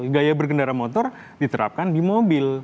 gaya bergendara motor diterapkan di mobil